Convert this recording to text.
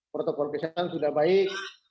protokol kesehatan sudah baik